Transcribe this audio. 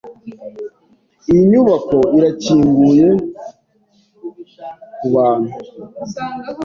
Iyi nyubako irakinguye kubantu?